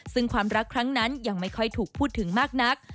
ซึ่งความรักครั้งนั้นยังไม่ค่อยถูกพูดถึงมากนัก